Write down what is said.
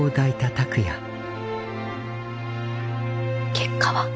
結果は？